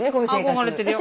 憧れてるよ。